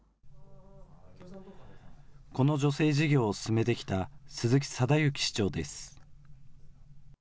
この助成事業を進めてきた鈴木定幸市長です。